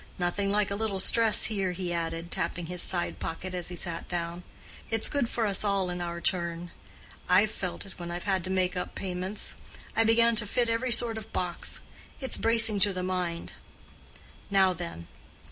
Nothing like a little stress here," he added, tapping his side pocket as he sat down. "It's good for us all in our turn. I've felt it when I've had to make up payments. I began to fit every sort of box. It's bracing to the mind. Now then!